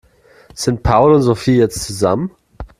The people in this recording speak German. Sind Paul und Sophie jetzt zusammen?